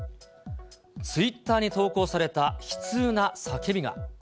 ツイッターに投稿された悲痛な叫びが。